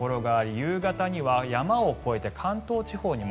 夕方には山を越えて関東地方にも。